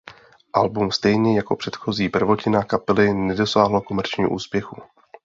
Album stejně jako předchozí prvotina kapely nedosáhlo komerčního úspěchu.